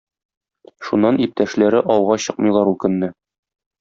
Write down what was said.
Шуннан иптәшләре ауга чыкмыйлар ул көнне.